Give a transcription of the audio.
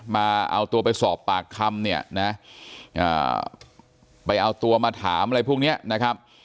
มาเอาตัวไปสอบปากคำเนี่ยนะไปเอาตัวมาถามอะไรพวกนี้นะครับ